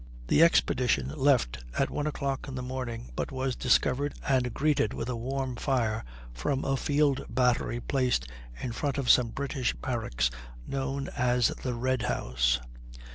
The expedition left at one o'clock in the morning, but was discovered and greeted with a warm fire from a field battery placed in front of some British barracks known as the Red House.